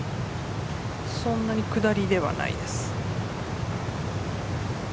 そんなに下りではないです。